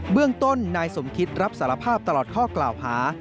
เรื่องต้นนายสมคิตรับสารภาพตลอดข้อกล่าวหา